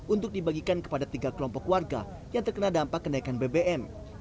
untuk dibagikan kepada tiga kelompok warga yang terkena dampak kenaikan bbm